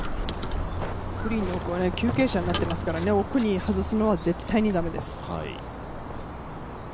グリーンの奥、急傾斜になっていますから、奥に外すのは絶対に駄目です。